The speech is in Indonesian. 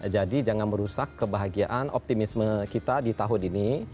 jadi jangan merusak kebahagiaan optimisme kita di tahun ini